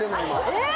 えっ！